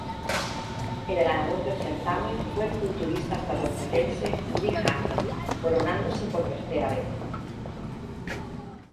El ganador del certamen fue el culturista estadounidense Lee Haney, coronándose por tercera vez.